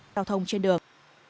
giao thông trên đường